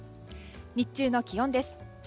日中の気温です。